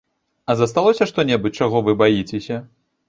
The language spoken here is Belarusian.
А засталося што-небудзь, чаго вы баіцеся?